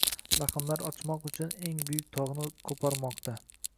Lahmlar ochmoq uchun eng buyuk togʻni qoʻparmoqda